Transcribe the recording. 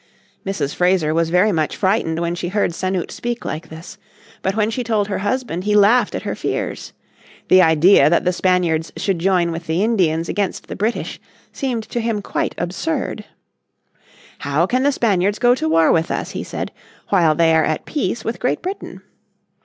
Mrs. Fraser was very much frightened when she heard Sanute speak like this. But when she told her husband he laughed at her fears. The idea that the Spaniards should join with the Indians against the British seemed to him quite absurd. "How can the Spaniards go to war with us," he said, "while they are at peace with Great Britain?"